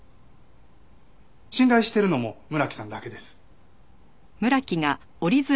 信頼してるのも村木さんだけです。